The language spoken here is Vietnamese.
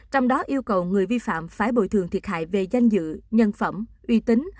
trong đó yêu cầu người vi phạm phải bồi thường thiệt hại về danh dự nhân phẩm uy tín